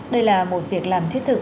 đây là một việc làm thiết thực